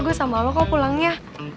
gue sama lo kok pulangnya